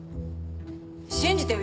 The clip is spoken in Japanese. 信じてよ。